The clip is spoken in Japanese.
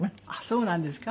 そうなんですか。